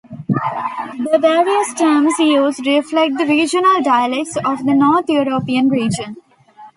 The various terms used reflect the regional dialects of the North European region.